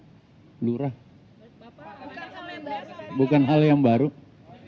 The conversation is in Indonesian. itu kemudian misalnya di tahun ke sepuluh pertanian atau korpsasi yang menjalankan